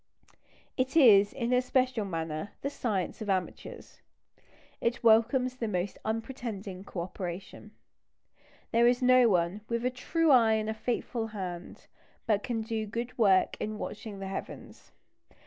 It is, in a special manner, the science of amateurs. It welcomes the most unpretending co operation. There is no one "with a true eye and a faithful hand" but can do good work in watching the heavens.